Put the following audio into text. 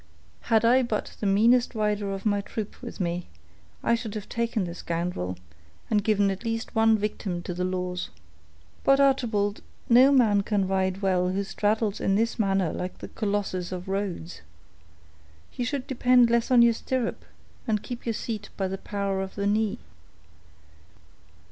"Had I but the meanest rider of my troop with me, I should have taken the scoundrel, and given at least one victim to the laws. But, Archibald, no man can ride well who straddles in this manner like the Colossus of Rhodes. You should depend less on your stirrup, and keep your seat by the power of the knee."